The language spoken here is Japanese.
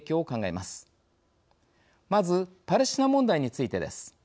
まずパレスチナ問題についてです。